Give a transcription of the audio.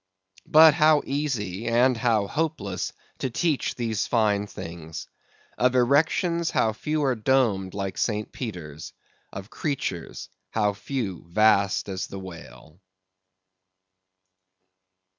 But how easy and how hopeless to teach these fine things! Of erections, how few are domed like St. Peter's! of creatures, how few vast as the whale!